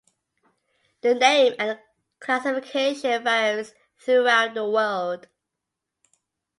The name and classification varies throughout the world.